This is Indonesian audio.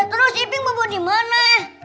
terus iping mau bawa dimana